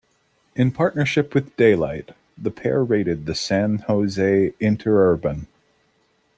In partnership with Daylight, the pair raided the San Jose Interurban.